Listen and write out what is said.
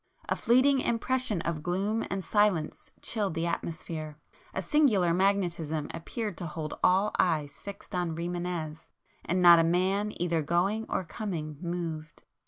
A fleeting impression of gloom and silence chilled the atmosphere,—a singular magnetism appeared to hold all eyes fixed on Rimânez; and not a man either going or coming, moved.